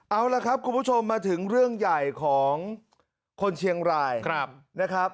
เอาละครับคุณผู้ชมมาถึงเรื่องใหญ่ของคนเชียงรายนะครับ